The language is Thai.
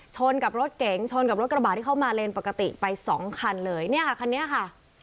ชนกับรถเก๋งชนกับรถกระบาดที่เข้ามาเลนปกติไปสองคันเลยเนี่ยค่ะคันนี้ค่ะ